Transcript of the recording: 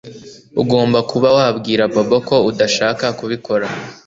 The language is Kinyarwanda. Ugomba kuba wabwira Bobo ko udashaka kubikora